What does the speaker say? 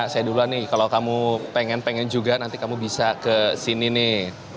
saya duluan nih kalau kamu pengen pengen juga nanti kamu bisa ke sini nih